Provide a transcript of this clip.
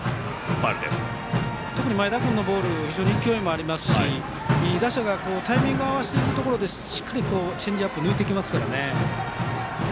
特に前田君のボール勢いもありますし打者がタイミングを合わせていくところをしっかりチェンジアップ抜いてくるので。